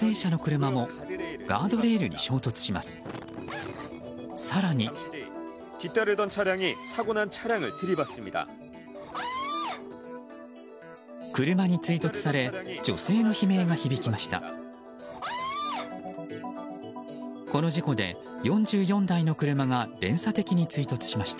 車に追突され女性の悲鳴が響きました。